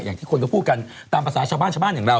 อย่างที่คนก็พูดกันตามภาษาชาวบ้านชาวบ้านอย่างเรา